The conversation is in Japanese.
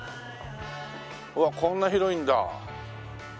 うわっこんな広いんだ。